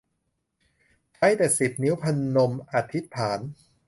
ใช้แต่สิบนิ้วพนมอธิษฐาน